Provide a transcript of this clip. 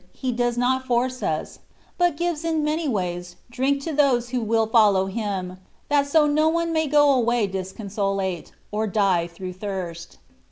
He does not force us, but gives in many ways drink to those who will follow Him, that so no one may go away disconsolate, or die through thirst.